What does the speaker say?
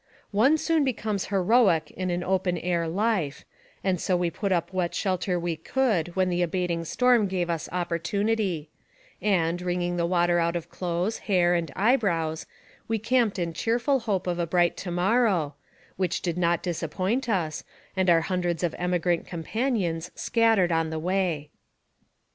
One soon becomes heroic in an open air life, and so we put up what shelter we could when the abating storm gave us opportunity; and, wringing the water out of clothes, hair, and eye brows, we camped in cheerful hope of a bright to morrow, which did not disappoint us, and our hundreds of emigrant compan ions scattered on the way.